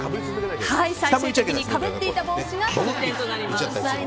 最終的にかぶっていた帽子が得点となります。